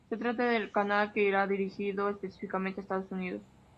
Se trata de un canal que irá dirigido específicamente a Estados Unidos.